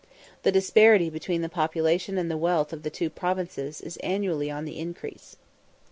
The disparity between the population and the wealth of the two provinces is annually on the increase.